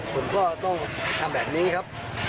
ผมก็ต้องทำแบบนี้ครับ